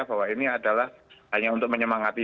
bahwa ini adalah hanya untuk menyemangati